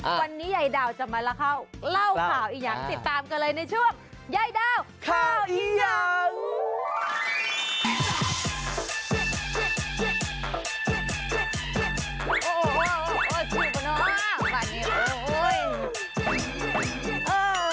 วันนี้ยายดาวจะมาเล่าข่าวอียังติดตามกันเลยในช่วงยายดาวข่าวอียัง